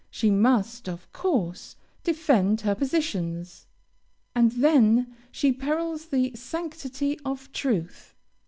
She must of course defend her positions, and then she perils the sanctity of truth.